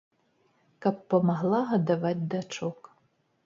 Каб памагла гадаваць дачок.